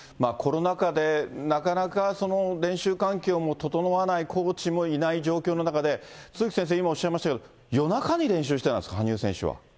コロナ禍で、なかなか練習環境も整わない、コーチもいない状況の中で、都築先生、今おっしゃいましたけど、夜中に練習してたんですか、羽生選手は。